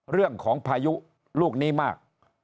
เรื่องของพายุลูกนี้มาก